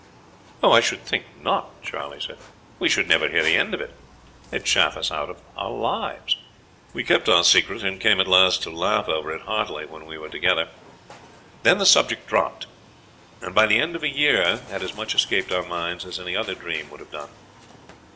"'I should think not,' Charley said. 'We should never hear the end of it; they would chaff us out of our lives.' "We kept our secret, and came at last to laugh over it heartily when we were together. Then the subject dropped, and by the end of a year had as much escaped our minds as any other dream would have done.